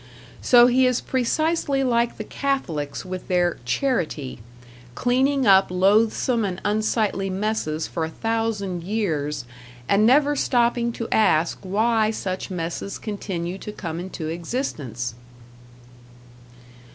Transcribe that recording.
So he is precisely like the Catholics with their "charity", cleaning up loathsome and unsightly messes for a thousand years, and never stopping to ask why such messes continue to come into existence.